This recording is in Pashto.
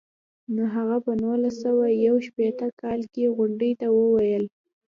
هغه په نولس سوه یو شپیته کال کې غونډې ته وویل.